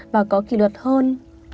và có kỷ luật hơn